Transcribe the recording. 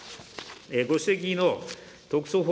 ご指摘の特措法